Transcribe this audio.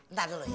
ntar dulu ya